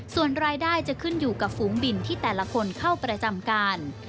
ส่วนรายได้จะขึ้นอยู่กับฝูงบินที่แต่ละคนเข้าประจำการ